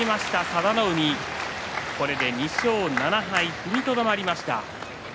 これで２勝７敗踏みとどまりました。